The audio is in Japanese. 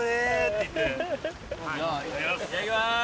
いただきます。